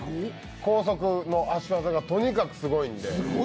高速の足技がとにかくすごいんで。